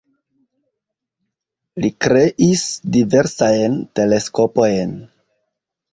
Li kreis diversajn teleskopojn.